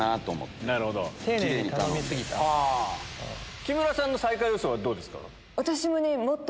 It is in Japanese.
木村さんの最下位予想はどうですか？